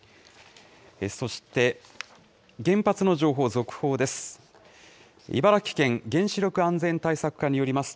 そして、原発の情報、続報です。